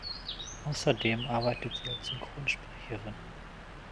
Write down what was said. Außerdem arbeitet sie als Synchronsprecherin.